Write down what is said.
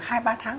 hai ba tháng